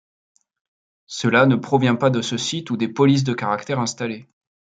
Cela ne provient pas de ce site ou des polices de caractères installées.